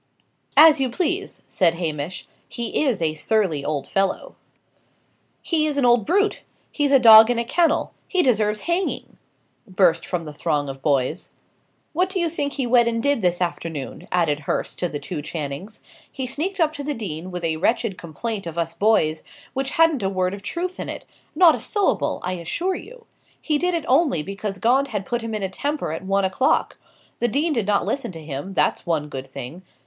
"As you please," said Hamish. "He is a surly old fellow." "He is an old brute! he's a dog in a kennel! he deserves hanging!" burst from the throng of boys. "What do you think he went and did this afternoon?" added Hurst to the two Channings. "He sneaked up to the dean with a wretched complaint of us boys, which hadn't a word of truth in it; not a syllable, I assure you. He did it only because Gaunt had put him in a temper at one o'clock. The dean did not listen to him, that's one good thing.